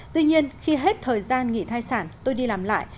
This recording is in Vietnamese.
tuy nhiên khi hết thời gian nghỉ thai sản tôi đi làm lại